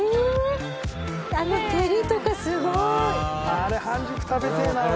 あれ半熟食べてえな俺。